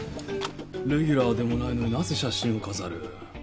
レギュラーでもないのになぜ写真を飾る？